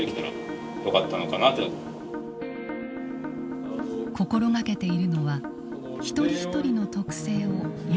心がけているのは一人一人の特性をよく理解すること。